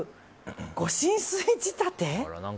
御神水仕立て？